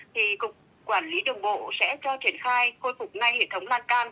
thì cục quản lý đường bộ sẽ cho triển khai khôi phục ngay hệ thống lan can